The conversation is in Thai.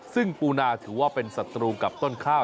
ซึ่งปูนาถือว่าเป็นศัตรูกับต้นข้าว